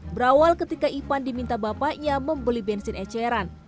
berawal ketika ivan diminta bapaknya membeli bensin eceran